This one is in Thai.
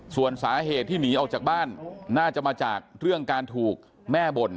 ส่วนสาเหตุที่หนีออกจากบ้านน่าจะมาจากเรื่องการถูกแม่บ่น